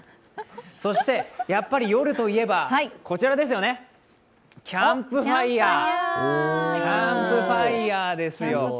そしてやっぱり夜といえばキャンプファイアですよ。